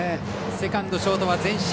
セカンド、ショートは前進。